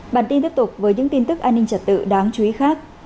bản tin tiếp tục với những tin tức an ninh trật tự đáng chú ý khác